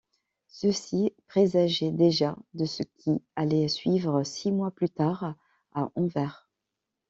Ceci présageait déjà de ce qui allait suivre six mois plus tard à Anvers.